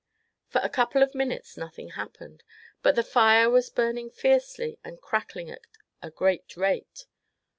For a couple of minutes nothing happened; but the fire was burning fiercely and crackling at a great rate.